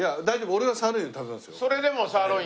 俺はサーロイン食べますよ。